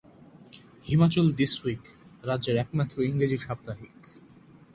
Himachal this week রাজ্যের একমাত্র ইংরেজি সাপ্তাহিক।